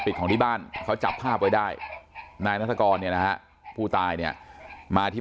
ของที่บ้านเขาจับภาพไว้ได้นายนัฐกรเนี่ยนะฮะผู้ตายเนี่ยมาที่